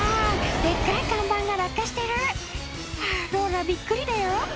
デッカい看板が落下してるあぁローラびっくりだよ